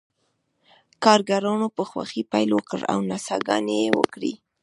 کارګرانو په خوښۍ پیل وکړ او نڅاګانې یې وکړې